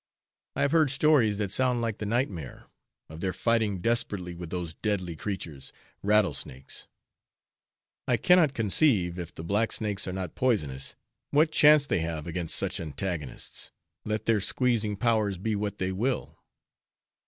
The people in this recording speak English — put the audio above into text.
I have heard stories that sound like the nightmare, of their fighting desperately with those deadly creatures, rattlesnakes. I cannot conceive, if the black snakes are not poisonous, what chance they have against such antagonists, let their squeezing powers be what they will.